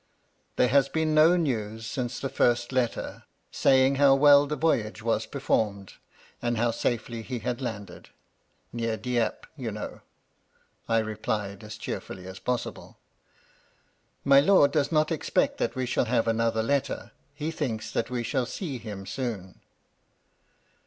"* There has been no news since the first letter, say ing how well the voyage was performed, and how safely he had landed, — ^near Dieppe, you know,' I replied as cheerfully as possible. * My lord does not expect that we shall have another letter ; he thinks that we shall see him soon.'